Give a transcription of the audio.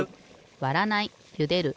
わらないゆでる